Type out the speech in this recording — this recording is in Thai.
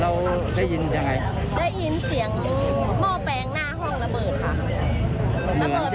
เราได้ยินยังไงได้ยินเสียงหม้อแปลงหน้าห้องระเบิดค่ะ